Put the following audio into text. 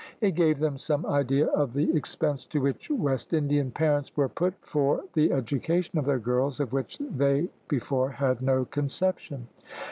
It gave them some idea of the expense to which West Indian parents were put for the education of their girls, of which they before had no conception.